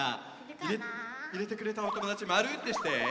いれてくれたおともだちまるってして。